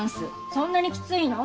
そんなにきついの？